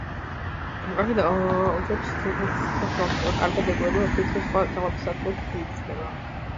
კარგად უძლებს სიცივეს და სიცხეს, კარგად ეგუება ბავშვებს და სხვა ძაღლებს, ადვილად იწვრთნება.